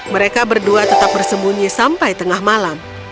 mereka berdua tetap bersembunyi sampai tengah malam